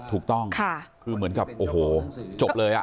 ถูกต้องคือเหมือนกับโอ้โหจบเลย